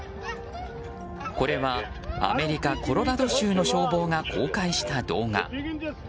これはアメリカ・コロラド州の消防が公開した動画。